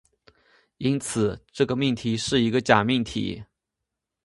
因此，这个命题是一个假命题。